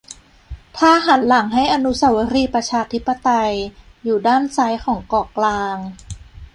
ถ้าหันหลังให้อนุเสาวรีย์ปชต อยู่ด้านซ้ายของเกาะกลาง